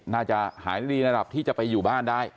น่าจะหายลีระดับที่จะไปอยู่บ้านได้